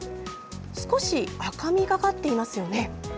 少し赤みがかっていますよね。